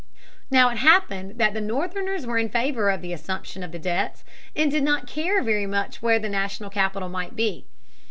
Now it happened that the Northerners were in favor of the assumption of the debts and did not care very much where the national capital might be.